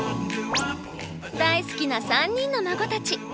大好きな３人の孫たち。